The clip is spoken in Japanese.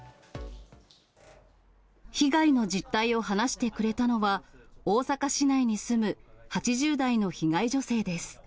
被害の実態を話してくれたのは、大阪市内に住む８０代の被害女性です。